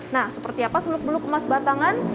nah seperti apa seluk beluk emas batangan